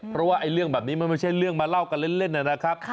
เพราะว่าเรื่องแบบนี้มันไม่ใช่เรื่องมาเล่ากันเล่นนะครับ